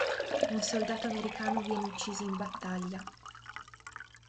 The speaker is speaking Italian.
Un soldato americano viene ucciso in battaglia.